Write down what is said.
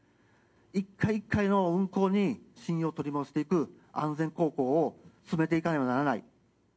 一回一回の運航に、信用を取り戻していく安全航行を進めていかねばならない。